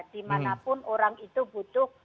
dimanapun orang itu butuh